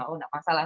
oh enggak masalah